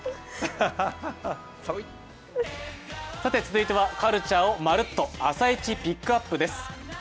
続いてはカルチャーをまるっと、「朝イチＰＩＣＫＵＰ！」です。